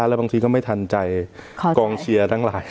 แล้วบางทีก็ไม่ทันใจกองเชียร์ทั้งหลาย